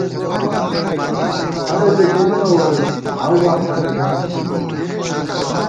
ہَڑےبېکېلی نہ ووڑوس، آؤواں کھنٹ کھاٹ تھِمان